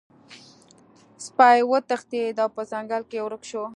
سپی وتښتید او په ځنګل کې ورک شو.